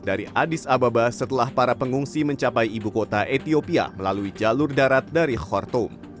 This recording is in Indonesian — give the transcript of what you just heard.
dari adis ababa setelah para pengungsi mencapai ibu kota ethiopia melalui jalur darat dari khortum